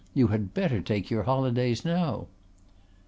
You had better take your holidays now."